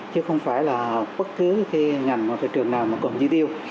chứ không phải là bất cứ ngành hoặc trường nào còn chi tiêu